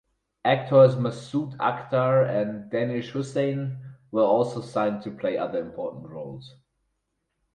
Actors Masood Akhtar and Danish Hussain were also signed to play other important roles.